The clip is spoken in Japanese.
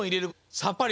さっぱり。